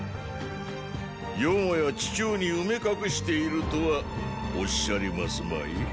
よもや地中に埋め隠しているとはおっしゃりますまい。